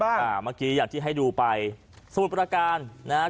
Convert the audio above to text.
เมื่อกี้อย่างที่ให้ดูไปสมุทรประการนะครับ